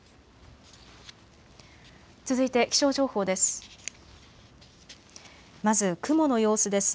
続いて気象情報です。